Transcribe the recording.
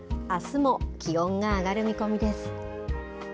あすも気温が上がる見込みです。